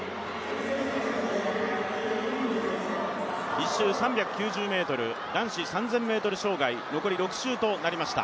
１周３９０ｍ、男子３０００ｍ障害、残り６周となりました。